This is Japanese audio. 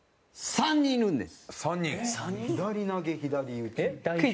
３人いるんです。